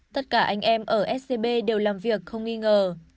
tất cả anh em ở scb đều làm việc không nghi ngờ